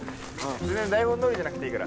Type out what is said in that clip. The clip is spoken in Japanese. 全然台本どおりじゃなくていいから。